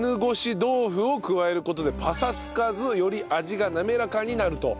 豆腐を加える事でパサつかずより味が滑らかになると。